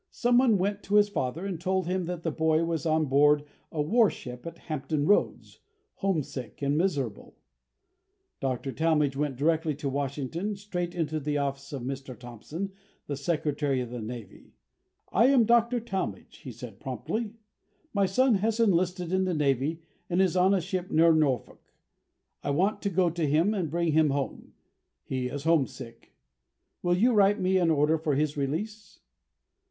Some one went to his father and told him that the boy was on board a warship at Hampton Roads, homesick and miserable. Dr. Talmage went directly to Washington, straight into the office of Mr. Thompson, the Secretary of the Navy. "I am Dr. Talmage," he said promptly; "my son has enlisted in the Navy and is on a ship near Norfolk. I want to go to him and bring him home. He is homesick. Will you write me an order for his release?"